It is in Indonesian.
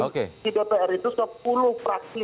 di dpr itu sepuluh fraksi